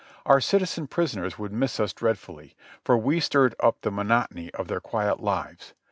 Our citizen prisoners would miss us dreadfully, for we stirred up the monotony of their quiet lives.